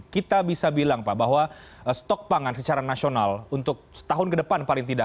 kita bisa bilang pak bahwa stok pangan secara nasional untuk setahun ke depan paling tidak